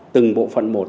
từng bộ phận một